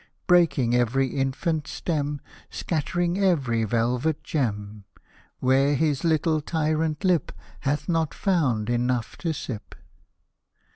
Breaking every infant stem, Scattering every velvet gem, W^here his little tyrant hp Had not found enough to sip.